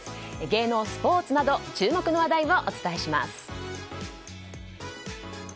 芸能、スポーツなど注目の話題をお伝えします。